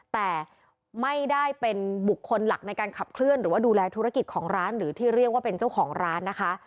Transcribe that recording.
แต่ไม่ได้เป็นบุคคลหลักในการขับเคลื่อนหรือว่าดูแลธุรกิจของร้านหรือที่เรียกว่าเป็นเจ้าของร้านนะคะ